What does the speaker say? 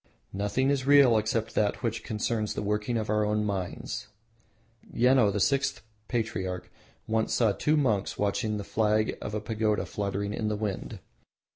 Nothing is real except that which concerns the working of our own minds. Yeno, the sixth patriarch, once saw two monks watching the flag of a pagoda fluttering in the wind.